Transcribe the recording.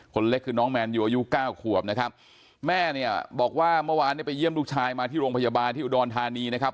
เล็กคือน้องแมนยูอายุเก้าขวบนะครับแม่เนี่ยบอกว่าเมื่อวานเนี่ยไปเยี่ยมลูกชายมาที่โรงพยาบาลที่อุดรธานีนะครับ